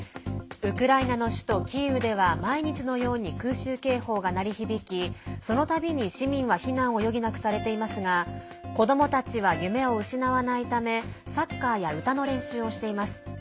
ウクライナの首都キーウでは毎日のように空襲警報が鳴り響きその度に市民は避難を余儀なくされていますが子どもたちは、夢を失わないためサッカーや歌の練習をしています。